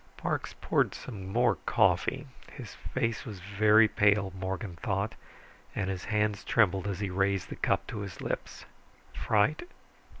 Parks poured some more coffee. His face was very pale, Morgan thought, and his hands trembled as he raised the cup to his lips. Fright?